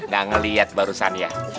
gak ngeliat barusan ya